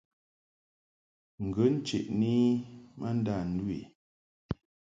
Ghə ncheʼni i ma ndâ ndu i.